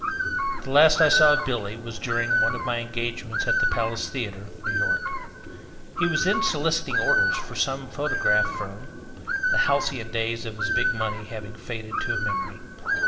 The last I saw of Billy was during one of my engagements at the Palace Theater, New York. He was then soliciting orders for some photograph firm, the halcyon days of his big money having faded to a memory.